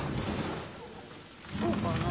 そうかな？